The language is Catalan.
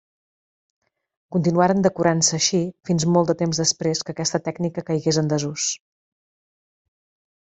Continuaren decorant-se així fins molt de temps després que aquesta tècnica caigués en desús.